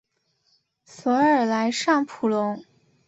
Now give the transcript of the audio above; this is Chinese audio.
索尔莱尚普隆。